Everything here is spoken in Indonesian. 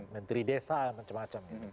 menteri desa macam macam